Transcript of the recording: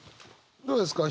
どうですか？